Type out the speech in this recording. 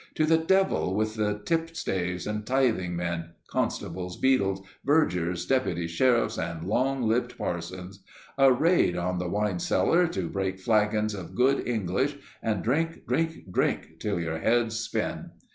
To the devil with the tip staves and tithing men, constables, beadles, vergers, deputy sheriffs and long lipped parsons! A raid on the wine cellar to break flagons of good English, and drink, drink, drink, till your heads spin!